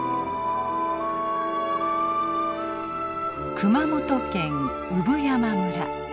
熊本県産山村。